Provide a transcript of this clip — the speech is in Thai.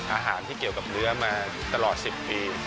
อาหารที่เกี่ยวกับเนื้อมาตลอด๑๐ปี